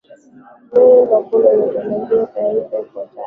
emanuel makundi ametuandalia taifa ifuatayo